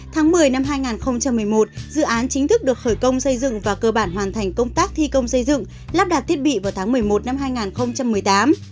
tháng một mươi năm hai nghìn một mươi một dự án chính thức được khởi công xây dựng và cơ bản hoàn thành công tác thi công xây dựng lắp đặt thiết bị vào tháng một mươi một năm hai nghìn một mươi tám